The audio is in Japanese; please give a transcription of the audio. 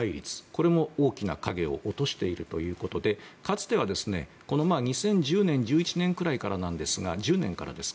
これも、大きな影を落としているということでかつては２０１０年くらいからですかね